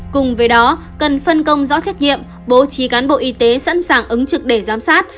cùng với đó cần phân công rõ trách nhiệm bố trí cán bộ y tế sẵn sàng ứng trực để giám sát